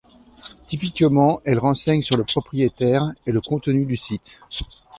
Typiquement, elle renseigne sur le propriétaire et le contenu du site.